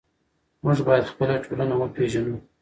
موږ باید خپله ټولنه وپېژنو.